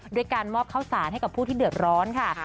ด้วยการมอบข้าวสารให้กับผู้ที่เดือดร้อนค่ะ